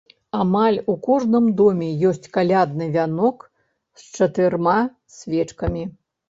Амаль у кожным доме ёсць калядны вянок з чатырма свечкамі.